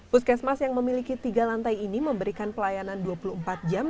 puskesmas yang memiliki tiga lantai ini memberikan pelayanan dua puluh empat jam